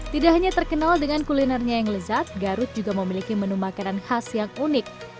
tidak hanya terkenal dengan kulinernya yang lezat garut juga memiliki menu makanan khas yang unik